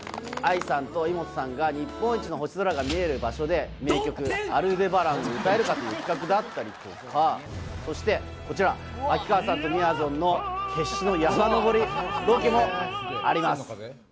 ＡＩさんとイモトさんが日本一の星空が見える場所で、名曲『アルデバラン』を歌えるかという企画があったりとか、秋川さんとみやぞんの決死の山登りロケもあります。